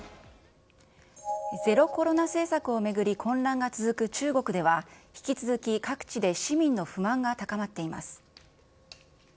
ゼロコロナ政策を巡り、混乱が続く中国では、引き続き各地で市民の不満が高まっています。